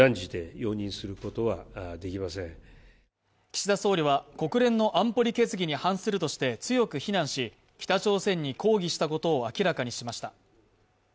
岸田総理は、国連の安保理決議に反するとして強く非難し、北朝鮮に抗議したことを明らかにしました。